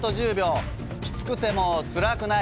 きつくてもつらくない。